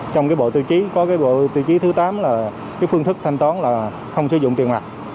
trong bộ tiêu chí có cái bộ tiêu chí thứ tám là cái phương thức thanh toán là không sử dụng tiền mặt